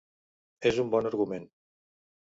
És un bon argument.